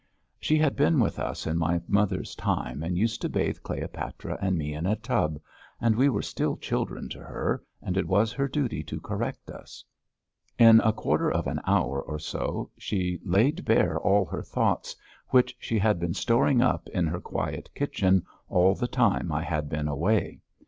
She had been with us in my mother's time and used to bathe Cleopatra and me in a tub, and we were still children to her, and it was her duty to correct us. In a quarter of an hour or so she laid bare all her thoughts, which she had been storing up in her quiet kitchen all the time I had been away.